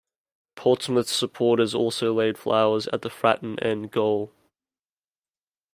Portsmouth supporters also laid flowers at the Fratton End goal.